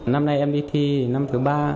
năm nay em đi thi năm thứ ba